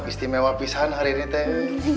istimewa pisahan hari ini teh